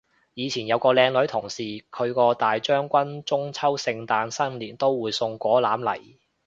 以前有個靚女同事，佢個大將軍中秋聖誕新年都會送果籃嚟